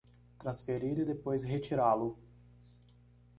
Transferir e depois retirá-lo